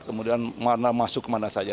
kemudian warna masyarakat